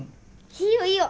いいよいいよ！